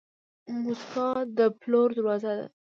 موسکا د پلور دروازه ده.